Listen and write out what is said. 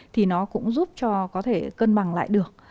thì nó cũng giúp cho có thể cân bằng lại được